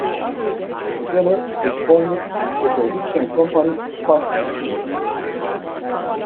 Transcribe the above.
Together, they founded the production company Fast Shoes.